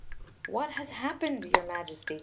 "What has happened, your Majesty?"